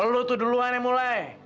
lo tuh duluan yang mulai